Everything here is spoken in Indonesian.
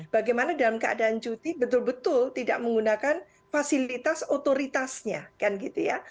bagaimana dalam keadaan cuti betul betul tidak menggunakan fasilitas otoritasnya